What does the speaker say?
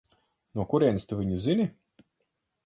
No kurienes tu viņu zini?